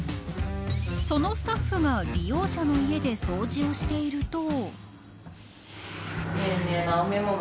そのスタッフが利用者の家で掃除をしていると。